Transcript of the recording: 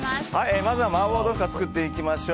まずは麻婆豆腐から作っていきましょう。